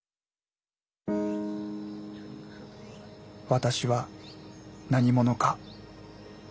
私は何者か。